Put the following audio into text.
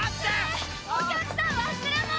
お客さん忘れ物！